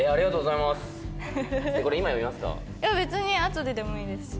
いや別にあとででもいいですし。